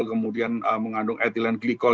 kemudian mengandung etilen glikol